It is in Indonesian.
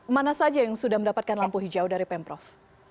mana saja yang sudah mendapatkan lampu hijau dari pemprov